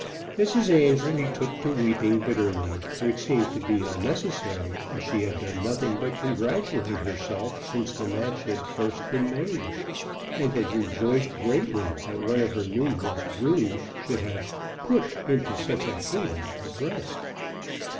Mrs. Annesley took to weeping bitterly, which seemed to be unnecessary, as she had done nothing but congratulate herself since the match had first been made, and had rejoiced greatly that one of her numerous brood should have "put into such a haven of rest."